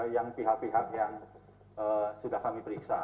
yang pihak pihak yang sudah kami periksa